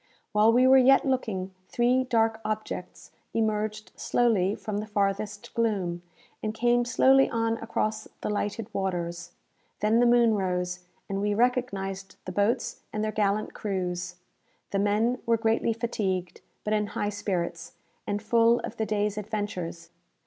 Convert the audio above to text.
While we were yet looking, three dark objects emerged slowly from the farthest gloom, and came slowly on across the lighted waters. Then the moon rose, and we recognized the boats and their gallant crews. The men were greatly fatigued, but in high spirits, and full of the day's adventures.